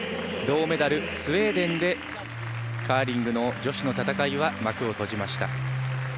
銅メダル、スウェーデンでカーリングの女子の戦いは幕を閉じました。